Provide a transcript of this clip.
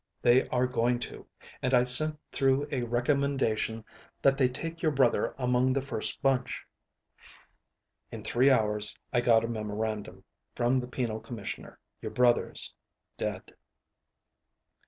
They are going to, and I sent through a recommendation that they take your brother among the first bunch. In three hours I got a memorandum from the penal commissioner. Your brother's dead."